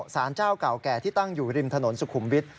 สารเจ้าเก่าแก่ที่ตั้งอยู่ริมถนนสุขุมวิทย